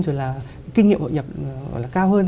rồi là kinh nghiệm hội nhập cao hơn